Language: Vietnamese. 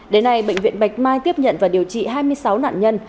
đến nay bệnh viện bạch mai tiếp nhận và điều trị hai mươi sáu nạn nhân